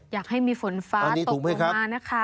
อยากให้มีฝนฟ้าตกลงมานะคะ